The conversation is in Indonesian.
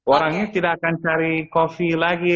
orangnya tidak akan cari coffee lagi